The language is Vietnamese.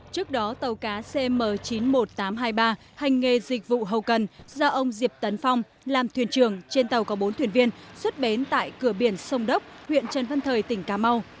trước đó tàu cá cm chín mươi một nghìn tám trăm hai mươi ba hành nghề dịch vụ hậu cần do ông diệp tấn phong làm thuyền trưởng trên tàu có bốn thuyền viên xuất bến tại cửa biển sông đốc huyện trần văn thời tỉnh cà mau